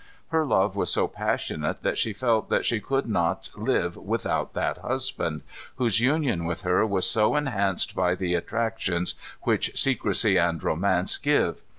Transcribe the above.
Her love was so passionate that she felt that she could not live without that husband, whose union with her was so enhanced by the attractions which secrecy and romance give.